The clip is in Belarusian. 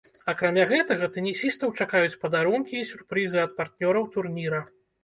Акрамя гэтага, тэнісістаў чакаюць падарункі і сюрпрызы ад партнёраў турніра.